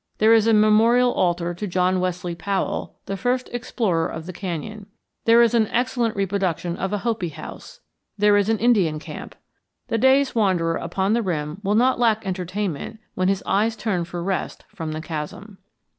There is a memorial altar to John Wesley Powell, the first explorer of the canyon. There is an excellent reproduction of a Hopi house. There is an Indian camp. The day's wanderer upon the rim will not lack entertainment when his eyes turn for rest from the chasm.